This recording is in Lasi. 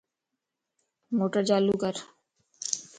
موٽر چالو ڪر